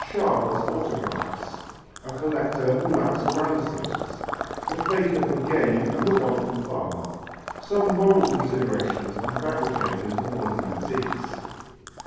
Chasles' autographs A collector who lacks a Rameses The faker for gain and the one for fun Some moral considerations on fabricators of modern antiques.